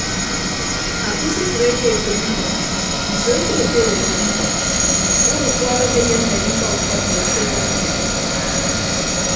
Afo usufreke etәk mkpọ nsoo ke okood etәk mkpọ daña ufuọd akeyemme adika ufọk ñwed sekọndri.